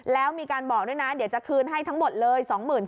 แล้วมีการบอกด้วยนะเดี๋ยวจะคืนให้ทั้งหมดเลย